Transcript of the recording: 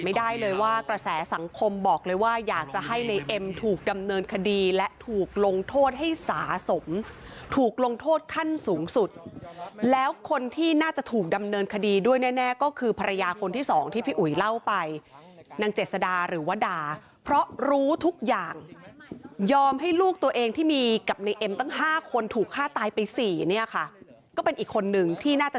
ไม่ได้เลยว่ากระแสสังคมบอกเลยว่าอยากจะให้ในเอ็มถูกดำเนินคดีและถูกลงโทษให้สาสมถูกลงโทษขั้นสูงสุดแล้วคนที่น่าจะถูกดำเนินคดีด้วยแน่ก็คือภรรยาคนที่สองที่พี่อุ๋ยเล่าไปนางเจษดาหรือว่าด่าเพราะรู้ทุกอย่างยอมให้ลูกตัวเองที่มีกับในเอ็มตั้ง๕คนถูกฆ่าตายไปสี่เนี่ยค่ะก็เป็นอีกคนนึงที่น่าจะ